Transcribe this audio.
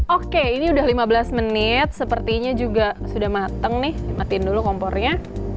oke ini udah lima belas menit sepertinya juga sudah mateng nih matiin dulu kompornya